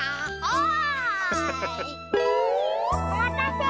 おまたせ！